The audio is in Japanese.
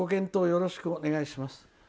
よろしくお願いします」。